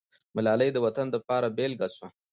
ملالۍ د وطن دپاره بېلګه سوه.